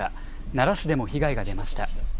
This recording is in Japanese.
奈良市でも被害が出ました。